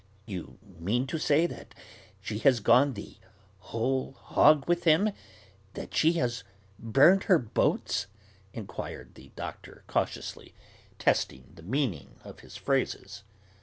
"You mean to say that she has gone the 'whole hog' with him; that she has 'burned her boats'?" inquired the Doctor cautiously, testing the meaning of his phrases.